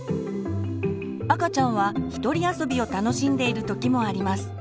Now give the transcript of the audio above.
赤ちゃんは一人遊びを楽しんでいる時もあります。